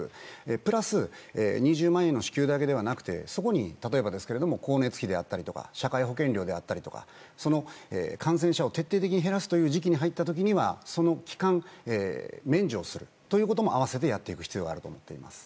プラス２０万円の支給だけではなくてそこに、例えば光熱費や社会保険料など感染者を徹底的に減らす時期に入った時にはその期間、免除をするということも併せてやっていく必要があると思っています。